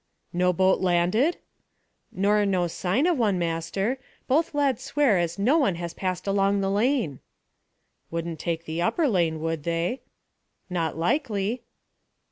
"No boat landed?" "Nor no sign o' one, master. Both lads swear as no one has passed along the lane." "Wouldn't take the upper lane, would they?" "Not likely."